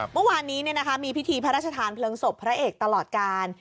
เมื่อวานนี้มีพิธีพระราชทานเพลิงศพพระเอกตลอดกาล